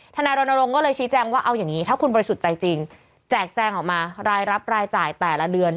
นายรณรงค์ก็เลยชี้แจงว่าเอาอย่างนี้ถ้าคุณบริสุทธิ์ใจจริงแจกแจงออกมารายรับรายจ่ายแต่ละเดือน